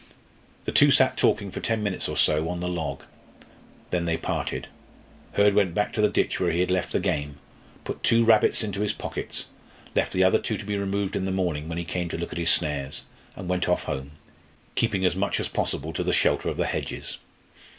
The two sat talking for ten minutes or so on the log. Then they parted; Hurd went back to the ditch where he had left the game, put two rabbits into his pockets, left the other two to be removed in the morning when he came to look at his snares, and went off home, keeping as much as possible in the shelter of the hedges.